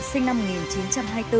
sinh năm một nghìn chín trăm hai mươi bốn